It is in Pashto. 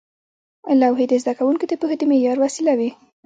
لوحې د زده کوونکو د پوهې د معیار وسیله وې.